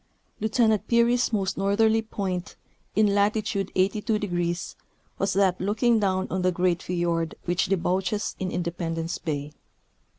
Lieutenant Peary's most northerly point, in latitude §2°, was that looking down on the great fiord which de bouches in Independence bay.